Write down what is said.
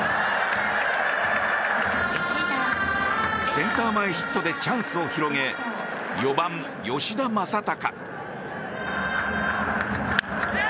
センター前ヒットでチャンスを広げ４番、吉田正尚。